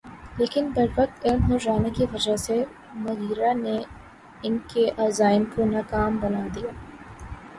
لیکن بروقت علم ہو جانے کی وجہ سے مغیرہ نے ان کے عزائم کو ناکام بنا دیا۔